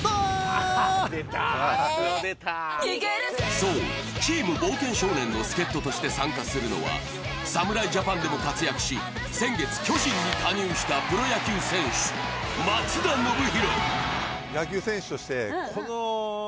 そう、チーム冒険少年の助っととして参加するのは侍ジャパンでも活躍し、先月巨人に加入したプロ野球選手・松田宣浩。